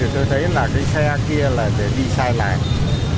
tôi thấy là cái xe kia là để đi sai lại